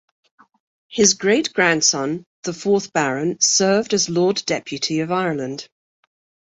His great-grandson, the fourth Baron, served as Lord Deputy of Ireland.